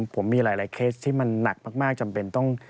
ผมมีหลายเคสที่มันหนักมากจำเป็นต้อง